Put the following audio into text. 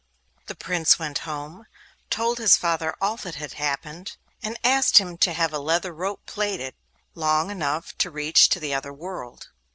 The Prince went home, told his father all that had happened, and asked him to have a leather rope plaited, long enough to reach to the other world.